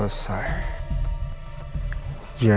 buat kan aja